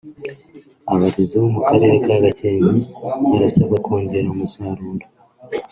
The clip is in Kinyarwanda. Abarezi bo mu Karere ka Gakenke barasabwa kongera umusaruro